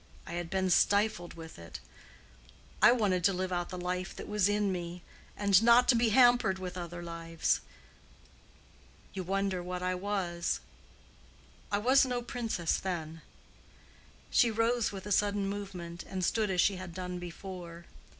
I had been stifled with it. I wanted to live out the life that was in me, and not to be hampered with other lives. You wonder what I was. I was no princess then." She rose with a sudden movement, and stood as she had done before.